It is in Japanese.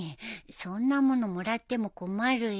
そんな物もらっても困るよ。